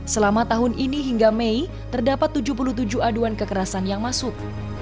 selama tahun ini hingga mei terdapat tujuh puluh tujuh aduan kekerasan yang masuk